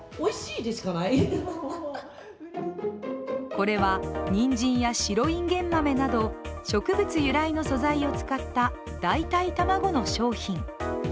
これは、にんじんや白いんげん豆など植物由来の素材を使った代替卵の商品。